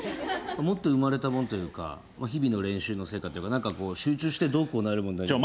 持って生まれたもんというか日々の練習の成果というか集中してどうこうなる問題。